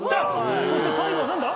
そして最後は何だ？